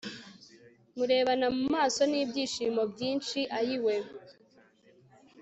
murebana mu maso n'ibyishimo byinshi ayiwe